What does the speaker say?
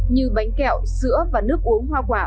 như bánh kẹo sữa và nước uống hoa quả